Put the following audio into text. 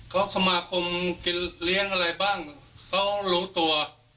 เขาสมาคมกินเลี้ยงอะไรบ้างเขารู้ตัว